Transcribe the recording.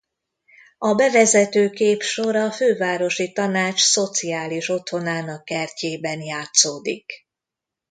A bevezető képsor a Fővárosi Tanács Szociális Otthonának kertjében játszódik.